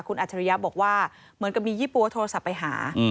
คุณอัจฉริยะบอกว่าเหมือนกับมียี่ปั๊วโทรศัพท์ไปหา